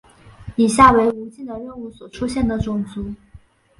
以下为无尽的任务所出现的种族。